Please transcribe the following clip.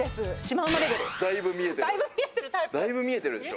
だいぶ見えてるでしょ。